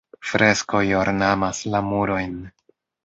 Freskoj ornamas la murojn.